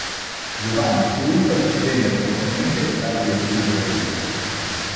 Giovanni e Cirillo sostennero fortemente il fragile equilibrio raggiunto.